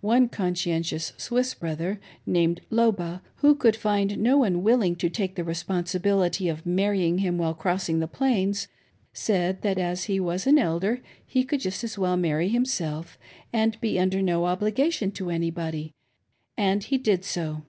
One conscientious Swiss brother, named • lioba, who could find no one willing to take the responsibility of marrying him while crossing the Plains, said that as he was an Elder he could just as well marry himself, and be under no obligation to anybody; and he did so.